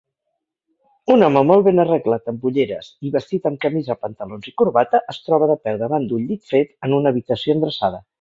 Un home molt ben arreglat amb ulleres i vestit amb camisa, pantalons i corbata es troba de peu davant d'un llit fet en una habitació endreçada